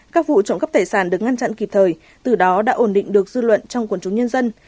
các vụ trộm cắp tài sản được ngăn chặn kịp thời từ đó đã ổn định được dư luận trong quần chúng nhân dân